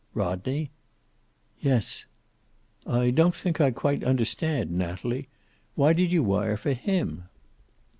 "Rodney?" "Yes." "I don't think I quite understand, Natalie. Why did you wire for him?"